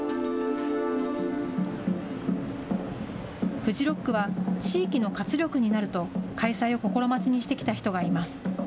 フジロックは地域の活力になると、開催を心待ちにしてきた人がいます。